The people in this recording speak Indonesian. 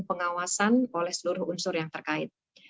pengawasan oleh seluruh unsur yang terkait